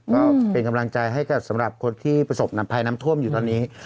ก็เป็นกำลังใจให้กับสำหรับคนที่ประสบนำภัยน้ำท่วมอยู่ตอนนี้